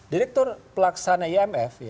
direktur pelaksana imf